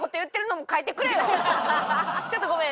ちょっとごめん。